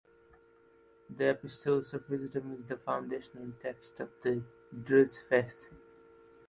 The Epistles of Wisdom is the foundational text of the Druze faith.